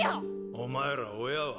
お前ら親は？